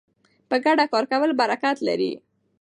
په ګډه کار کول برکت لري.